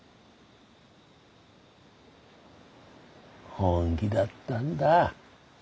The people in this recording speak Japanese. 本気だったんだ。